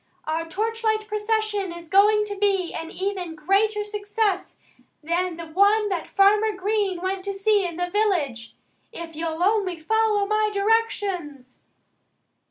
Our torchlight procession is going to be an even greater success than the one that Farmer Green went to see in the village if you'll only follow my directions."